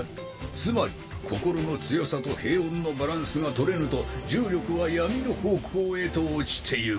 つまり心の強さと平穏のバランスが取れぬと重力は闇の方向へと落ちてゆく。